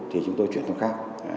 thì chúng tôi chuyển thông khác